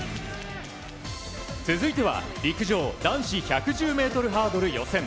続いては陸上男子１１０ｍハードル予選。